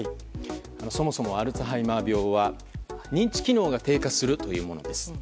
そもそもアルツハイマー病は認知機能が低下するというものです。